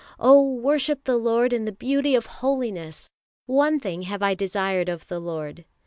"Oh, worship the Lord in the beauty of holiness!" "One thing have I desired of the Lord